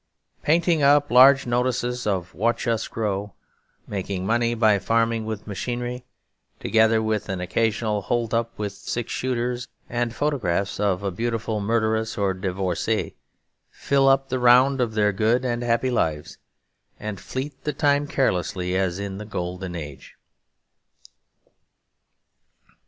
Painting up large notices of 'Watch Us Grow,' making money by farming with machinery, together with an occasional hold up with six shooters and photographs of a beautiful murderess or divorcée, fill up the round of their good and happy lives, and fleet the time carelessly as in the golden age.